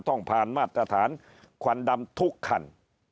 ต้องผ่านมาตรฐานควันดำทุกคัน